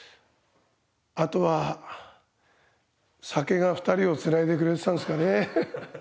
あとは酒が２人を繋いでくれてたんですかね。